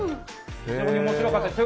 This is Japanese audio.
非常に面白かったです。